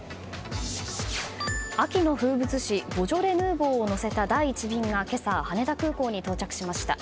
秋の風物詩ボジョレ・ヌーボーを乗せた第１便が今朝、羽田空港に到着しました。